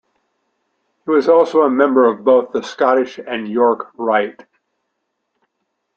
He also was a member of both the Scottish and York Rite.